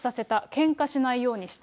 けんかしないようにした。